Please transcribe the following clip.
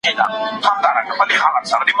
هغه وخت چې د ښځو حقونه خوندي شي، عدالت ټینګ شي.